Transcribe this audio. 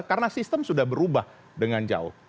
karena sistem sudah berubah dengan jauh